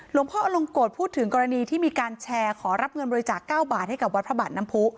พ่ออลงโกรธพูดถึงกรณีที่มีการแชร์ขอรับเงินบริจาค๙บาทให้กับวัดพระบาทน้ำผู้